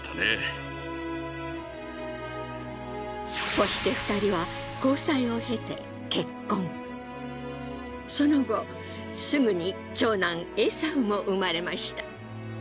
そして２人は交際を経てその後すぐに長男・エサウも生まれました。